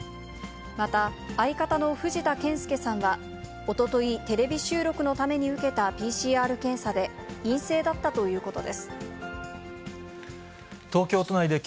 また相方の藤田憲右さんは、おととい、テレビ収録のために受けたＰＣＲ検査で陰性だったということです。